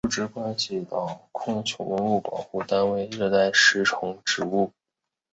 祗陀林列为扬州市文物保护单位。